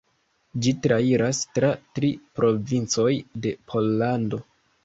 Ĝi trairas tra tri provincoj de Pollando.